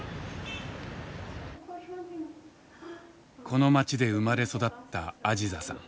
この街で生まれ育ったアジザさん。